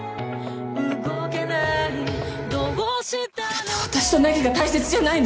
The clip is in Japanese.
あなた私と凪が大切じゃないの？